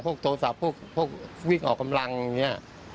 โทรศัพท์พวกวิ่งออกกำลังอย่างนี้